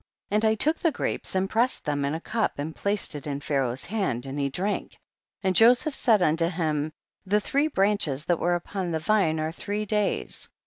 9. And I took the grapes and pressed them in a cup, and placed it in Pharaoh's hand and he drank ; and Joseph said unto him, the three branches that were upon the vine are three days.